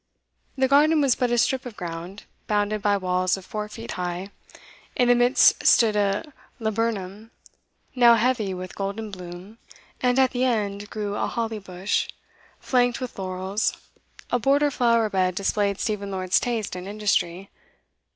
The garden was but a strip of ground, bounded by walls of four feet high; in the midst stood a laburnum, now heavy with golden bloom, and at the end grew a holly bush, flanked with laurels; a border flower bed displayed Stephen Lord's taste and industry.